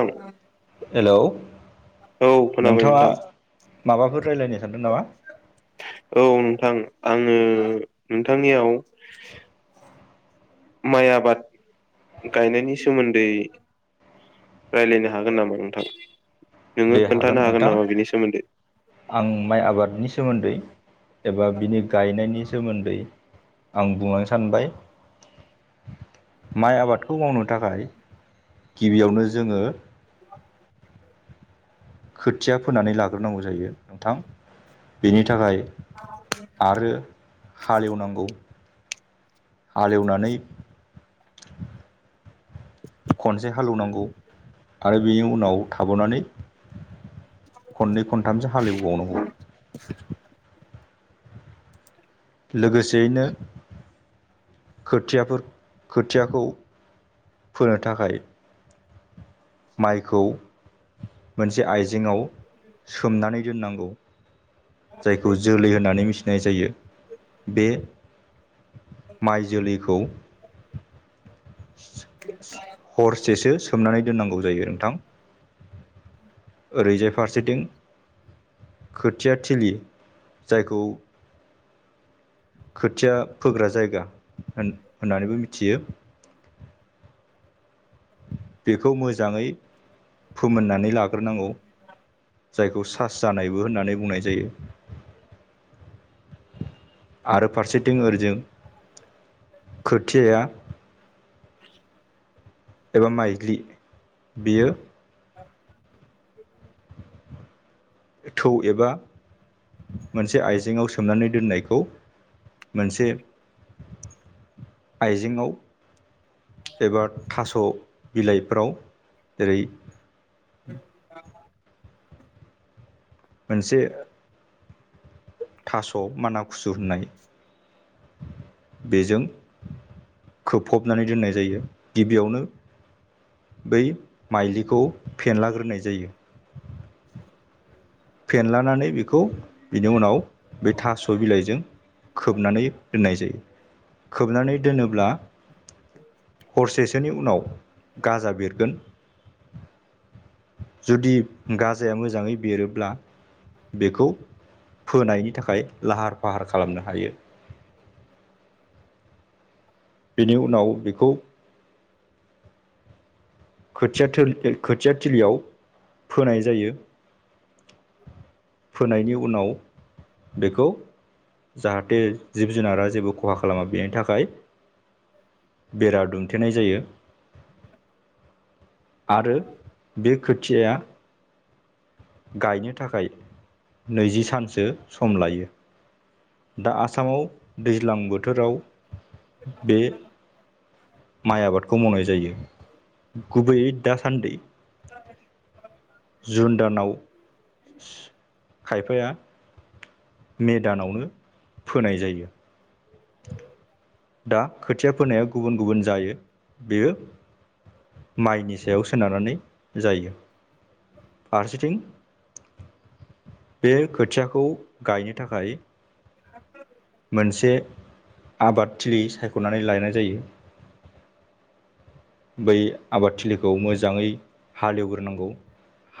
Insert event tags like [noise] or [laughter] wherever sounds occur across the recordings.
औ हेलौ खोनाबाय नोंथाङा नोंथां माबाफोर रायज्लायनो सानदों नामा औ नोंथां आं आं नोंथांनियाव माइ आबाद गायनायनि सोमोन्दै रायज्लायनो हागोन नामा नोंथां नोङो दे हागोन खोन्थानो नोंथां नामा बेनि सोमोन्दै आं माइ आबादनि सोमोन्दै एबा बिनि गायनायनि सोमोन्दै आं बुंलांनो सानबाय माइ आबादखौ मावनो थाखाय गिबियावनो जोङो खोथिया फोनानै लाग्रोनांगौ जायो नोंथां बेनि थाखाय आरो हालेव नांगौ हालेवनानै खनसे हालेवनांगौ आरो बेनि उनाव थाबावनानै खननै खनथामसो हालेवबावनांगौ लोगोसेयैनो खोथियाफोर खोथियाखौ फोनो थाखाय माइखौ मोनसे आइजेेंआव सोमनानै दोननांगौ जायखौ जोलै होननानै मिथिनाय जायो बे माइ जोलैखौ हरसेसो सोमनानै दोननांगौ जायो नोंथां ओरैजाय फारसेथिं खोथिया थिलि जायखौ खोथिया फोग्रा जायगा होन होननानैबो मिथियो बेखौ मोजाङै फोमोननानै लाग्रोनांगौ जायखौ सास जानायबो होननानै बुंनाय जायो आरो फारसेथिं ओरिजों खोथियाया एबा माइज्लि बियो [unintelligible] [inaudible] थौ एबा मोनसे आइजेेंआव सोमनानै दोननायखौ मोनसे आइजेेंआव एबा थास' बिलाइफोराव जेरै [inaudible] मोनसे थास' माना खुसु होननाय बेजों खोबफबनानै दोननाय जायो गिबियावनो बै माइलिखौ फेनलाग्रोनाय जायो फेनलानानै बेखौ बिनि उनाव बे थास' बिलाइजों खोबनानै दोननाय जायो खोबनानै दोनोब्ला हरसेसोनि उनाव गाजा बेरगोन जुदि गाजाया मोजाङै बेरोब्ला बेखौ फोनायनि थाखाय लाहार फाहार खालामनो हायो [inaudible] बेनि उनाव बेखौ खोथिया थोल खोथिया थिलियाव फोनाय जायो फोनायनि उनाव बेखौ जाहाथे जिब जुनारा जेबो खहा खालामा बेनि थाखाय बेरा दुमथेनाय जायो आरो बे खोथियाया गायनो थाखाय नैजि सानसो सम लायो दा आसामाव दैज्लां बोथोराव बे माइ आबादखौ मावनाय जायो गुबैयै दासान्दि औ [unintelligible] जुन दानाव खायफाया मेदानावनो फोनाय जायो दा खोथिया फोनाया गुबुन गुबुन जायो बेयो माइनि सायाव सोनारनानै जायो फारसेथिं बे खोथियाखौ गायनो थाखाय [inaudible] मोनसे आबादथिलि सायख'नानै लायनाय जायो बै आबादथिलिखौ मोजाङै हालेवग्रोनांगौ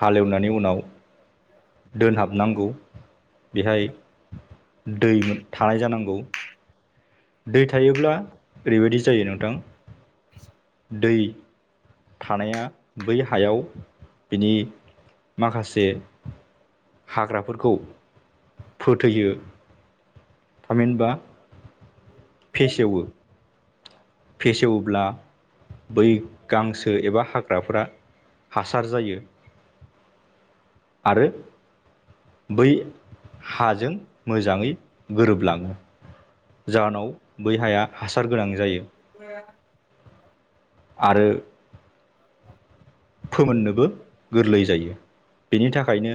हालेवनायनि उनाव दोनहाबनांगौ बेहाय दै थानाय जानांगौ दै थायोब्ला ओरैबायदि जायो नोंथां दै। थानाया बै हायाव बिनि। माखासे हाग्राफोरखौ फोथैयो। थामहिनबा। फेसेवो। फेसेवोब्ला। बै गांसो एबा हाग्राफोरा हासार जायो। आरो। बै हाजों मोजाङै गोरोबलाङो। जाहोनाव बै हाया हासार गोनां जायो। [inaudible] आरो फोमोननोबो गोरलै जायो बेनि थाखायनो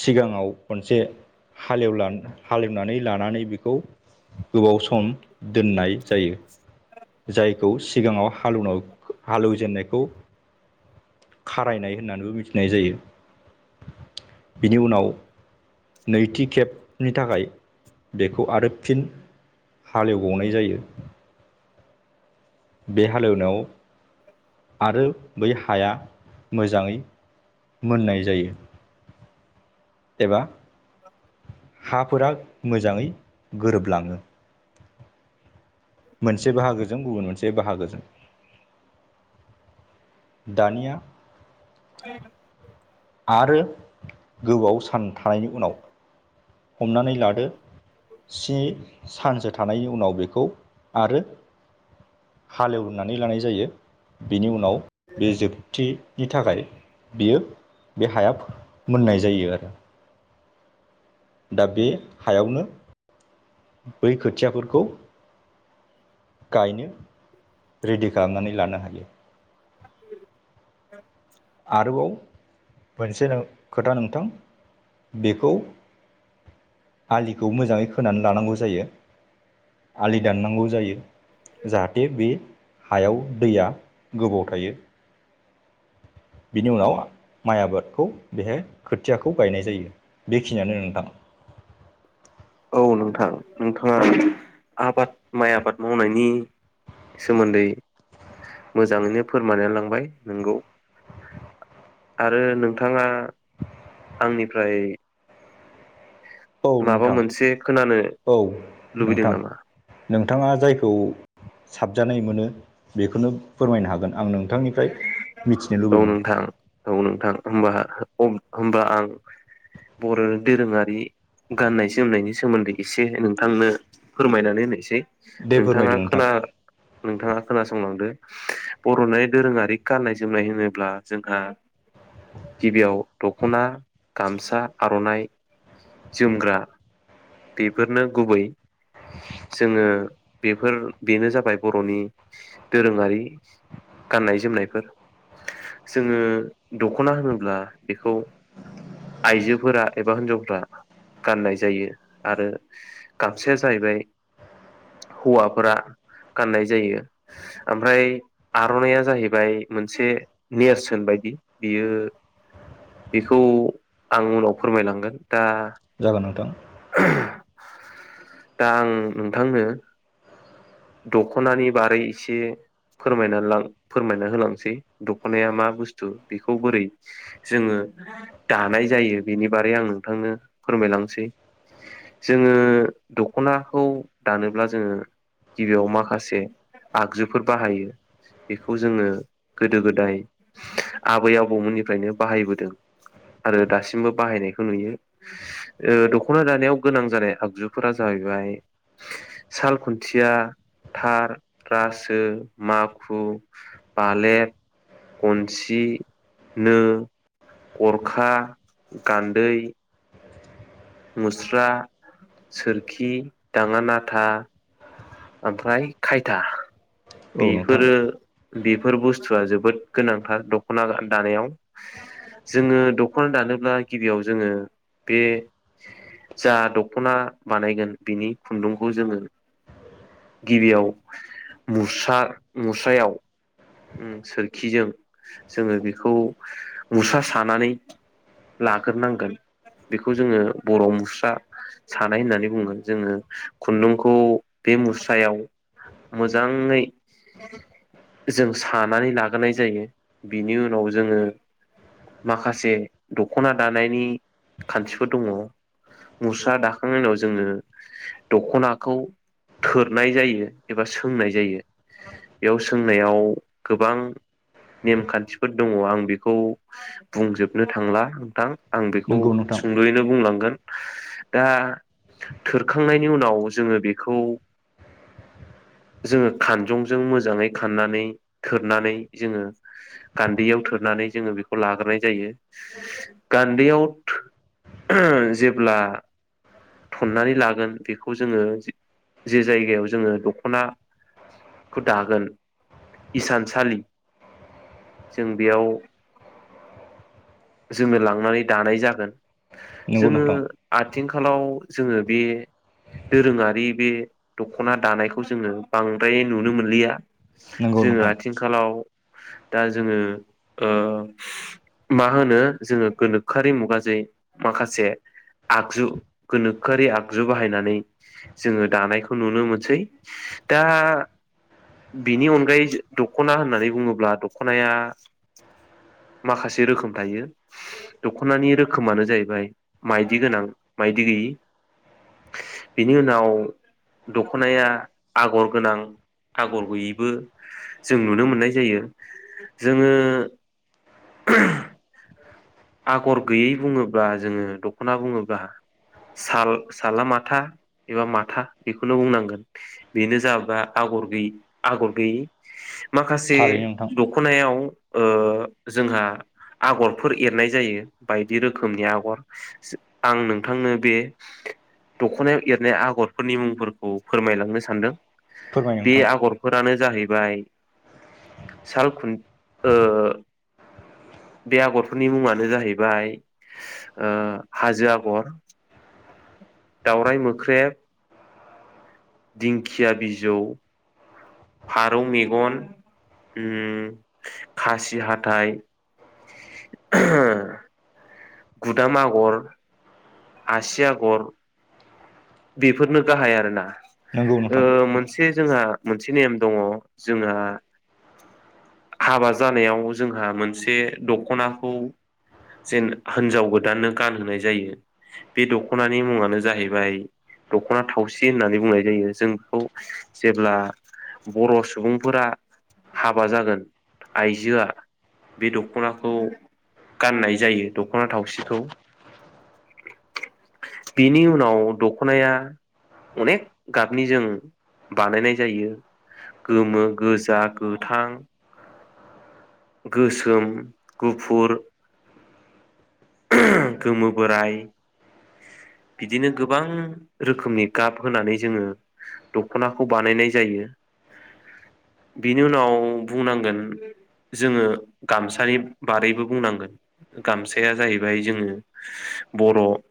सिगाङाव खनसे हालेवलान हालेवनानै लानानै बिखौ गोबाव सम दोननाय जायो जायखौ सिगाङाव हालौनाव हालौजेननायखौ खारायनाय होननानैबो मिथिनाय जायो बिनि उनाव नैथि खेबनि थाखाय बेखौ आरो फिन हालेवबनाय जायो। बे हालेवनायाव आरो बै हाया मोजाङै मोननाय जायो एबा [inaudible] हाफोरा मोजाङै गोरोबलाङो मोनसे बाहागोजों गुबुन मोनसे बाहागोजों दानिया [inaudible] आरो गोबाव सान थानायनि उनाव हमनानै लादो स्नि सानसो थानायनि उनाव बेखौ आरो हालेवनानै लानाय जायो बेनि उनाव बे जोबथि नि थाखाय बियो बे हायाब मोननाय जायो आरो दा बे हायावनो बै खोथियाफोरखौ गायनो रेडि खालामनानै लानो हायो। [inaudible] आरोबाव मोनसे खोथा नोंथां बेखौ आलिखौ मोजाङै खोनानै लानांगौ जायो आलि दाननांगौ जायो जाहाथे बे हायाव दैया गोबाव थायो [inaudible] बिनि उनाव माइ आबादखौ बेहाय खोथियाखौ गायनाय जायो बेखिनियानो नोंथां [inaudible] औ नोंथां नोंथाङा आबाद माइ आबाद मावनायनि सोमोन्दै मोजाङैनो फोरमायनानै लांबाय नोंगौ आरो नोंथाङा आंनिफ्राय औ माबा नोंथां मोनसे खोनानो औ लुबैदों नोंथां नामा नोंथाङा जायखौ साबजानाय मोनो बेखौनो फोरमायनो हागोन आं नों औ नोंथां औ नोंथां होमबा अम होमबा आं बर'नि दोरोङारि गाननाय जोमनायनि सोमोन्दै एसे नोंथांनो फोरमायनानै होनोसै दे नोंथाङा फोरमायदो नोंथां खोना नोंथाङा खोनासंलांदो बर'नि दोरोङारि गाननाय जोमनाय होनोब्ला जोंहा गिबियाव दख'ना गामसा आर'नाइ जोमग्रा बेफोरनो गुबै जोङो बेफोर बेनो जाबाय बर'नि दोरोङारि गाननाय जोमनायफोर जोङो दख'ना होनोब्ला बेखौ आइजोफोरा एबा हिनजावफोरा गाननाय जायो आरो गामसाया जाहैबाय हौवाफोरा गाननाय जायो ओमफ्राय आर'नाइया जाहैबाय मोनसे नेरसोन बायदि बियो बेखौ आं उनाव फोरमायलांगोन दा जागोन नोंथां। दा आं नोंथांनो दख'नानि बारै एसे फोरायना फोरमायना होलांसै दख'नाया मा बुस्थु बेखौ बोरै जोङो दानाय जायो बेनि बारै आं नोंथांनो फोरमायलांसै। जोङो दखनाखौ दानोब्ला जोङो गिबियाव माखासे आगजुफोर बाहायो। बेखौ जोङो गोदो गोदाय आबै आबौमोननिफ्रायनो बाहायबोदों। आरो दासिमबो बाहायनायखौ नुयो ओ दख'ना दानायाव गोनां जानाय आगजुफोरा जाहै हैबाय साल खुन्थि। या थार रासो माखु फालेेर गनसि नो गरखा गान्दै मुस्रा सोरखि दाङानाथा ओमफ्राय खायथा औ नोंथां बेफोरो बेफोर बुस्थुआ जोबोद गोनांथार दख'ना दानायाव। जोङो दख'ना दानोब्ला गिबियाव जोङो बे जा दख'ना बानायगोन बिनि खुन्दुंखौ जोङो गिबियाव मुस्रा मुस्रायाव सोरखिजों जोङो बेखौ मुस्रा सानानै लाग्रोनांगोन। बेखौ जोङो बर' मुस्रा सानाय होननानै बुगोन जोङो खुन्दुंखौ बे मुस्रायाव मोजाङै जों सानानै लागोनाय जायो बिनि उनाव जोङो माखासे दख'ना दानायनि खान्थिफोर दङ'। मुस्रा दाखांनायनि उनाव जोङो दख'नाखौ थोरनाय जायो एबा सोंनाय जायो बेयाव सोंनायाव गोबां नेमखान्थिफोर दङ आं बेखौ बुंजोबनो थांला नोंथां। आं बेखौ नंगौ नोंथां सुंद'यैनो बुंलांगोन। दा थोरखांनायनि उनाव जोङो बेखौ [inaudible] जोङो खानजंजों मोजाङै खाननानै थोरनानै जोङो गान्दैयाव थोरनानै जोंङो बेखौ लाग्रोनाय जायो गान्दैयाव थो जेब्ला थननानै लागोन बेखौ जोङो जे जायगायाव जोङो दख'नाखौ दागोन इसानसालि जों बेयाव जोङो लांनानै दानाय जागोन नंगौ जोङो नोंथां आ थिंखालाव जोङो बे दोरोङारि बे दख'ना दानायखौ जोङो बांद्राय नुनो मोनलिया। नंगौ जोङो नोंथां आथिखालाव दा जोङो ओ मा मा होनो जोङो गोनोखोआरि मुगाजे माखासे आगजु गोनोखोआरि आगजु बाहायनानै जोङो दानायखौ नुनो मोनसै दा बिनि अनगायै दख'ना होननानै बुङोब्ला दख'नाया माखासे रोखोम दायो दख'नानि रोखोमानो जाहैबाय माइदि गोनां माइदि गैयि। बिनि उनाव दख'नाया आगर गोनां आगर गैयैबो जों नुनो मोननाय जायो जोङो [unintelligible] आगर गैयै बुङोब्ला जोङो दख'ना बुङोब्ला साल साला माथा एबा माथा बेखौनो बुंनांगोन बेनो जाबा आगर गैयि आगर गैयि माखासे थारैनो नोंथां दख'नायाव ओ जोंहा आगरफोर एरनाय जायो बायदि रोखोमनि आगर आं नोंथांनो बे दख'नायाव एरनाय आगरफोरनि मुंफोरखौ फोरमायलांनो सानदों। फोरमाय बे नोंथां आगरफोरानो जाहैबाय साल खुन ओ बे आगर फोरनि मुङानो जाहैबाय हाजो आगर दावराय मोख्रेब दिंखिया बिजौ फारौ मेगन खासि हाथाइ [unintelligible] गुदाम आगर आसि आगर बेफोरनो गाहाय आरोना नंगौ नोंथां ओ मोनसे जोंहा मोनसे नेम दङ जोंहा हाबा जानायाव जोंहा मोनसे दख'नाखौ जेन हिनजाव गोदाननो गानहोनाय जायो बे दख'नानि मुङानो जाहैबाय दख'ना थावसि होननानै बुंनाय जायो जों बेखौ जेब्ला बर' सुबुंफोरा हाबा जागोन आइजोआ बे दख'नाखौ गाननाय जायो दख'ना थावसिखौ बिनि उनाव द ख'नाया अनेक गाबनि जों बानायनाय जायो गोमो गोजा गोथां गोसोम गुफुर गोमो बोराइ बिदिनो गोबां रोखोमनि गाब होनानै जोङो दख'नाखौ बानायनाय जायो बेनि उनाव बुंनांगोन जोङो गामसानि बारैबो बुंनांगोन गामसाया जाहैबाय जोङो बर'